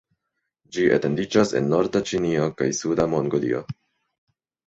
Ĝi etendiĝas en norda Ĉinio kaj suda Mongolio.